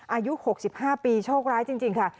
อายุหกสิบห้าปีโชคร้ายจริงค่ะ